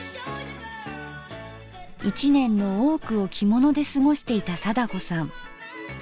一年の多くを着物で過ごしていた貞子さん。